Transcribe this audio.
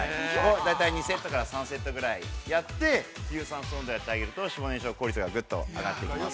大体２セットから３セットぐらい、有酸素運動をやってあげると、脂肪燃焼効率が上がってくれます。